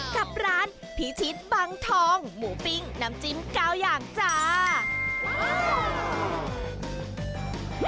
กับร้านพิชิตบังทองหมูปิ้งน้ำจิ้ม๙อย่างจ้า